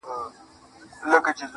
ځكه مي دعا، دعا، دعا په غېږ كي ايښې ده.